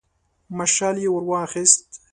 مشعل يې ور واخيست.